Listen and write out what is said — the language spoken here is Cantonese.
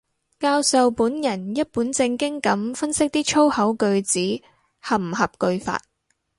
教授本人一本正經噉分析啲粗口句子合唔合句法